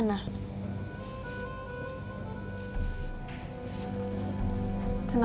kenapa belum pulang ya